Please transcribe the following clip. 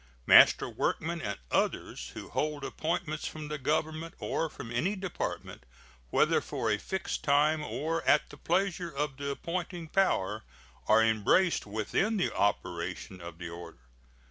Master workmen and others who hold appointments from the Government or from any Department, whether for a fixed time or at the pleasure of the appointing power, are embraced within the operation of the order.